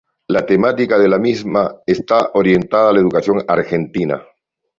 La temática de la misma está orientada a la educación argentina.